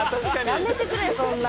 やめてくれそんな。